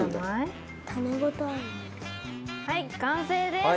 はい完成です！